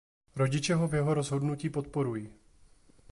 Rodiče ho v jeho rozhodnutí podporují.